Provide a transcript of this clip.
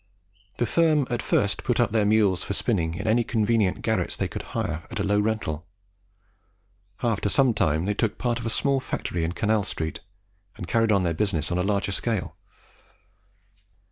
The firm at first put up their mules for spinning in any convenient garrets they could hire at a low rental. After some time, they took part of a small factory in Canal Street, and carried on their business on a larger scale.